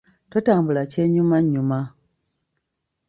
Totambula kyennyumannyuma.